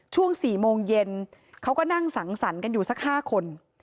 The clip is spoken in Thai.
ช่วง๔โมงเย็นเขาก็นั่งสังสรรค์กันอยู่สัก๕คน